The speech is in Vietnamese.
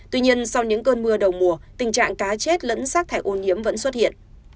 tuy nhiên sau những cơn mưa đầu mùa tình trạng cá chết lẫn sát thải ô nhiễm vẫn xuất hiện